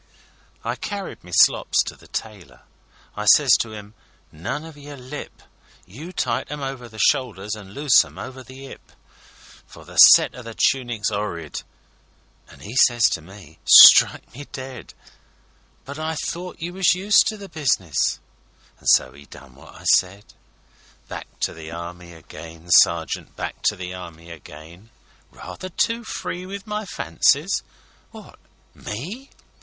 I carried my slops to the tailor; I sez to 'im, âNone o' your lip! You tight 'em over the shoulders, an' loose 'em over the 'ip, For the set o' the tunic's 'orrid.â An' 'e sez to me, âStrike me dead, But I thought you was used to the business!â an' so 'e done what I said. Back to the Army again, sergeant, Back to the Army again. Rather too free with my fancies? Wot me?